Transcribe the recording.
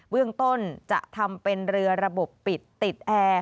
เรื่องต้นจะทำเป็นเรือระบบปิดติดแอร์